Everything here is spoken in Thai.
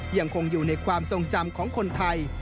ยังคงอยู่ในความทรงจำของคนไทย